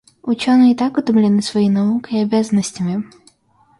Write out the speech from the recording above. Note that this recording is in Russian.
Ученые и так утомлены своей наукой и обязанностями.